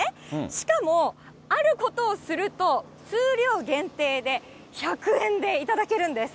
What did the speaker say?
しかも、あることをすると、数量限定で、１００円で頂けるんです。